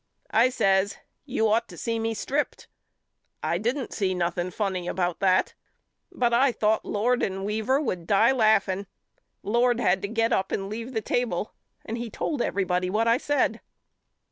I says You ought to see me stripped. I didn't see nothing funny about that but I thought Lord and Weaver would die laughing. Lord had to get up and leave the table and he told everybody what I said.